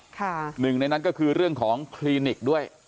หนึ่งในนั้นก็คือเรื่องของคลินิกด้วย